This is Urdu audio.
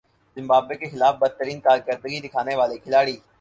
زمبابوے کے خلاف بدترین کارکردگی دکھانے والے کھلاڑی